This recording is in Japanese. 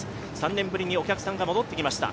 ３年ぶりにお客さんが戻ってきました。